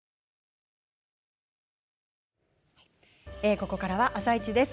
ここからは「あさイチ」です。